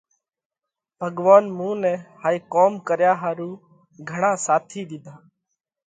ڀڳوونَ مُون نئہ هائي ڪوم ڪريا ۿارُو گھڻا ساٿِي ۮِيڌاھ۔